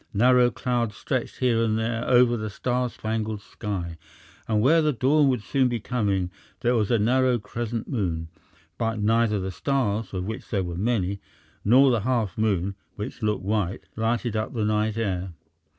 Narrow clouds stretched here and there over the star spangled sky, and where the dawn would soon be coming there was a narrow crescent moon; but neither the stars, of which there were many, nor the half moon, which looked white, lighted up the night air.